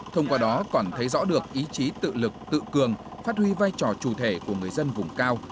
thông qua đó còn thấy rõ được ý chí tự lực tự cường phát huy vai trò chủ thể của người dân vùng cao